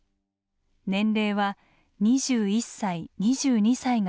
年齢は２１歳２２歳が中心。